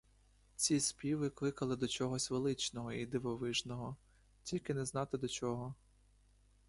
Ці співи кликали до чогось величного й дивовижного, тільки не знати до чого.